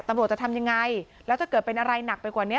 ตำรวจจะทำยังไงแล้วถ้าเกิดเป็นอะไรหนักไปกว่านี้